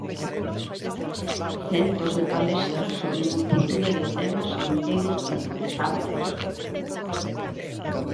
Centos de palestras sobre multitude de temas e milleiros de participantes.